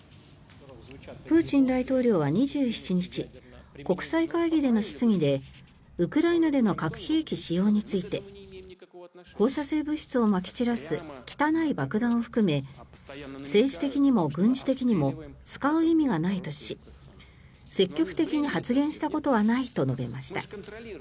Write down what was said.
プーチン大統領は２７日国際会議での質疑でウクライナでの核兵器使用について放射性物質をまき散らす汚い爆弾を含め政治的にも軍事的にも使う意味がないとし積極的に発言したことはないと述べました。